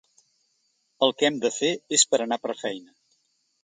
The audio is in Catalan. El que hem de fer és per anar per feina.